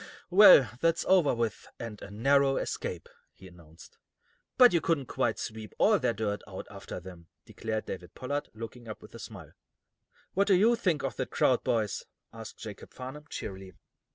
"Well, that's over with, and a narrow escape," he announced. "But you couldn't quite sweep all their dirt out after them," declared David Pollard, looking up with a smile. "What do you think of that crowd, boys?" asked Jacob Farnum, cheerily.